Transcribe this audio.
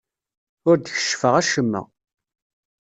Ur d-keccfeɣ acemma.